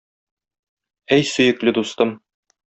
Әй, сөекле дустым!